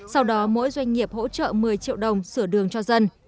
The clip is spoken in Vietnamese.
sau đó mỗi doanh nghiệp hỗ trợ một mươi triệu đồng sửa đường cho dân